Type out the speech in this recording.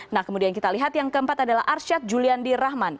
nah kemudian kita lihat yang keempat adalah arsyad juliandi rahman